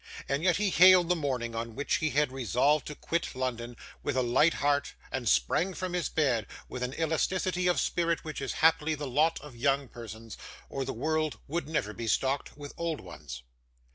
And yet he hailed the morning on which he had resolved to quit London, with a light heart, and sprang from his bed with an elasticity of spirit which is happily the lot of young persons, or the world would never be stocked with old ones.